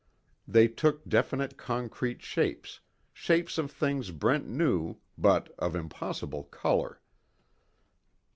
They took definite concrete shapes, shapes of things Brent knew, but of impossible color.